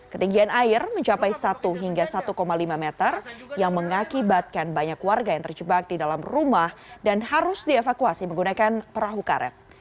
ketinggian air mencapai satu hingga satu lima meter yang mengakibatkan banyak warga yang terjebak di dalam rumah dan harus dievakuasi menggunakan perahu karet